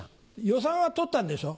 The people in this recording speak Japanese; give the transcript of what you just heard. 予算は取ったんでしょ？